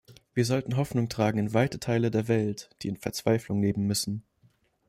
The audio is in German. Wir sollten Hoffnung tragen in weite Teile der Welt, die in Verzweiflung leben müssen.